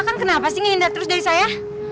kan kenapa sih ngeindah terus dari saya